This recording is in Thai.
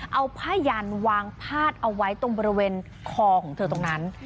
เอาผ้ายันวางพาดเอาไว้ตรงบริเวณคอของเธอตรงนั้น